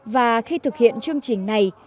và khi thực hiện chương trình này